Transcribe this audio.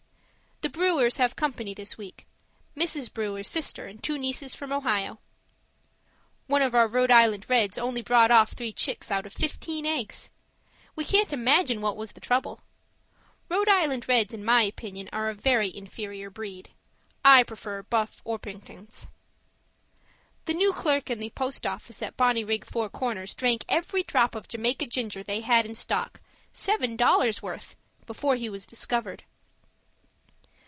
The Brewers have company this week; Mrs. Brewer's sister and two nieces from Ohio. One of our Rhode Island Reds only brought off three chicks out of fifteen eggs. We can't imagine what was the trouble. Rhode island Reds, in my opinion, are a very inferior breed. I prefer Buff Orpingtons. The new clerk in the post office at Bonnyrigg Four Corners drank every drop of Jamaica ginger they had in stock seven dollars' worth before he was discovered.